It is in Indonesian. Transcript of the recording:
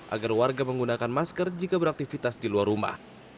agar warga menggunakan masker jika beraktivitas di luar rumah